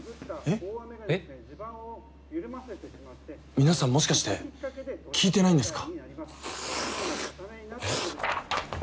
皆さんもしかして聞いてないんですか？